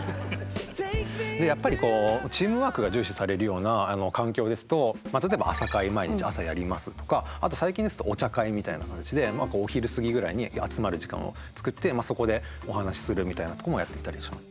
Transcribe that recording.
やっぱりこうチームワークが重視されるような環境ですと例えば朝会毎日朝やりますとかあと最近ですとお茶会みたいな感じでお昼過ぎぐらいに集まる時間を作ってそこでお話しするみたいなとこもやっていたりします。